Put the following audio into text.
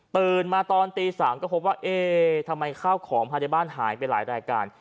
มาตอนตี๓ก็พบว่าเอ๊ทำไมข้าวของภายในบ้านหายไปหลายรายการ